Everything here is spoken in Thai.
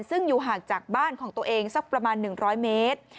ซึ่งอยู่ห่างจากบ้านของตัวเองสักประมาณ๑๐๐เมตร